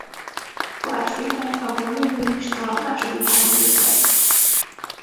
Kovács Péter a góllövőlista második helyén végzett.